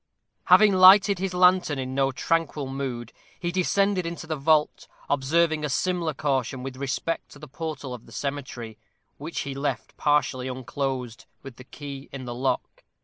Having lighted his lantern in no tranquil mood, he descended into the vault, observing a similar caution with respect to the portal of the cemetery, which he left partially unclosed, with the key in the lock.